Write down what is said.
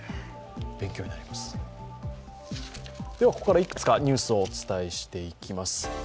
ここから、いくつかニュースをお伝えしていきます。